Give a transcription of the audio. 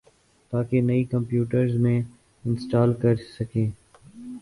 تاکہ نئی کمپیوٹرز میں انسٹال کر سکیں